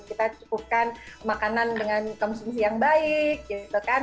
kita cukupkan makanan dengan konsumsi yang baik gitu kan